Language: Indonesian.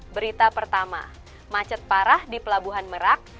berita pertama macet parah di pelabuhan merak